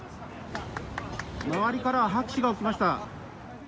周りからは拍手が起きました。